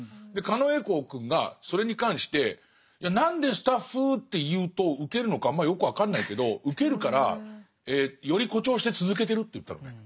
狩野英孝くんがそれに関して「いや何でスタッフゥって言うとウケるのかあんまよく分かんないけどウケるからより誇張して続けてる」って言ったのね。